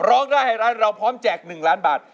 ร้องได้ให้ร้านเราพร้อมแจก๑ล้านบาท